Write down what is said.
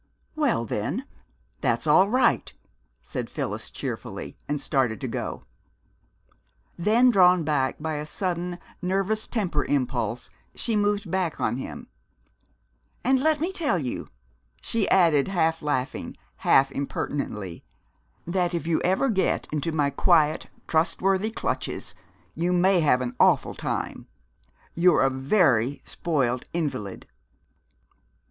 "Well, then, that's all right," said Phyllis cheerfully, and started to go. Then, drawn back by a sudden, nervous temper impulse, she moved back on him. "And let me tell you," she added, half laughing, half impertinently, "that if you ever get into my quiet, trustworthy clutches you may have an awful time! You're a very spoiled invalid."